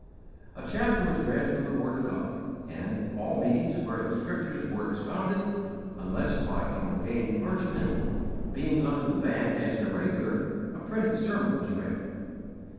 A chapter was read from the word of God, and all meetings where the Scriptures were expounded, unless by an ordained clergyman, being under the ban as irregular a printed sermon was read.